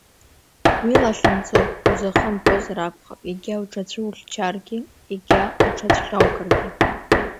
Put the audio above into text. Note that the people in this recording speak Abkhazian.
Уи лахьынҵоуп, узахымԥозар акәхап, егьа уҽацәухьчаргьы, егьа уҽацәхьаукыргьы…